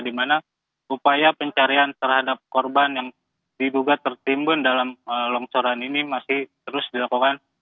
di mana upaya pencarian terhadap korban yang diduga tertimbun dalam longsoran ini masih terus dilakukan